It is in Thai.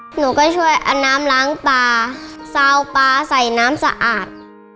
หนูก็ช่วยเอาน้ำล้างปลาซาวปลาใส่น้ำสะอาด